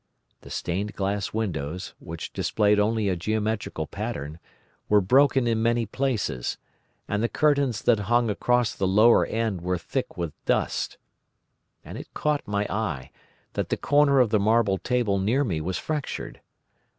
The stained glass windows, which displayed only a geometrical pattern, were broken in many places, and the curtains that hung across the lower end were thick with dust. And it caught my eye that the corner of the marble table near me was fractured.